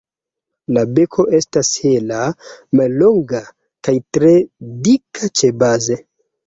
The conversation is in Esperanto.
La beko estas hela, mallonga kaj tre dika ĉebaze.